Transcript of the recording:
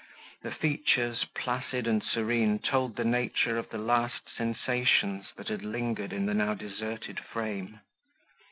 The features, placid and serene, told the nature of the last sensations, that had lingered in the now deserted frame.